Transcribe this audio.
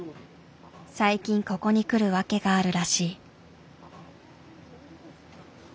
最近ここに来る訳があるらしい。